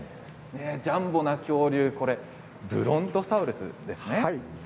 ジャンボな恐竜ブロントサウルスですね。